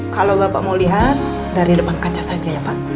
kalau bapak mau lihat dari depan kaca saja